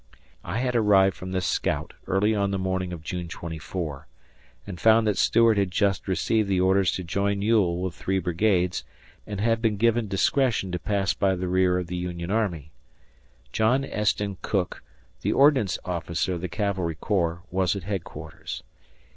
I had arrived from this scout early on the morning of June 24, and found that Stuart had just received the orders to join Ewell with three brigades and had been given discretion to pass by the rear of the Union army. John Esten Cooke, the Ordnance Officer of the cavalry corps, was at headquarters.